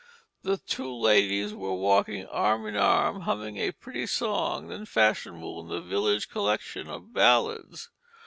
The two "ladies" were "walking arm in arm humming a pretty song then fashionable in the village collection of Ballads."